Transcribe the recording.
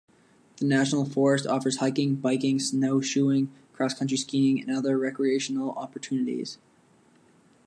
The national forest offers hiking, biking, snowshoeing, cross country skiing, and other recreational opportunities.